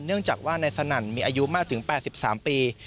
เนื่องจากว่านายสนั่นมีอายุมากถึง๘๓ปี